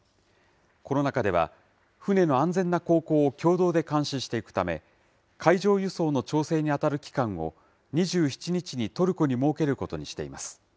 この中では、船の安全な航行を共同で監視していくため、海上輸送の調整に当たる機関を、２７日にトルコに設けることにしています。